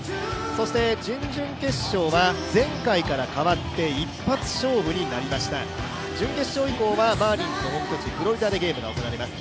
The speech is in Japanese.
そして準々決勝は、前回から変わって一発勝負になりました、準決勝以降はマーリンズの本拠地、マイアミで行われます。